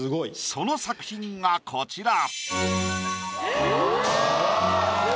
その作品がこちら。